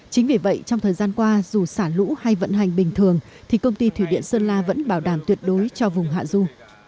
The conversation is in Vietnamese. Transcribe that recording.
chính vì vậy trong thời gian qua dù xả lũ hay vận hành bình thường thì công ty thủy điện sơn la vẫn bảo đảm tuyệt đối cho vùng hạ du